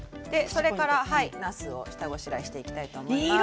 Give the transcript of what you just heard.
それからなすを下ごしらえしていきたいと思います。